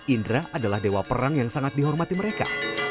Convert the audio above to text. indra adalah dewa perang yang sangat dihormati mereka